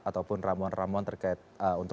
ataupun ramuan ramuan terkait